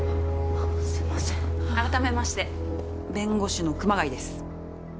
すいません改めまして弁護士の熊谷です